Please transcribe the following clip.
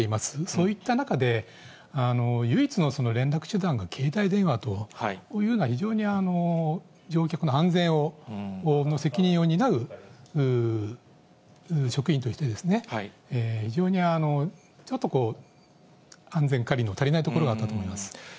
そういった中で、唯一の連絡手段が携帯電話というのは、非常に乗客の安全の責任を担う職員として、非常にちょっとこう、安全管理の足りないところがあったと思います。